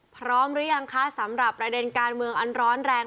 พร้อมหรือยังคะสำหรับประเด็นการเมืองอันร้อนแรง